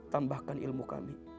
tambahkan ilmu kami